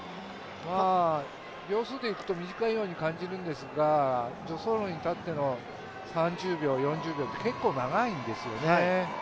秒数でいくと短いように感じるんですが、助走路にたっての３０秒、４０秒って結構長いんですよね。